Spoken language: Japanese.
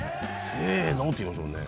「せーの」って言いましたもんね。